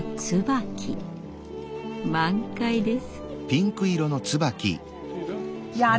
満開です。